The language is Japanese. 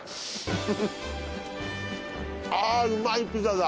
あぁうまいピザだ。